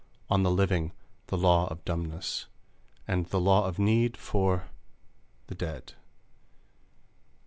On the living, the law of dumbness, And the law of need, for the dead!